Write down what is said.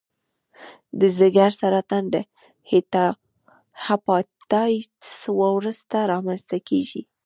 د ځګر سرطان د هپاتایتس وروسته رامنځته کېږي.